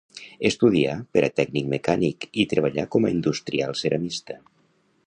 Estudià per a tècnic mecànic i treballà com a industrial ceramista.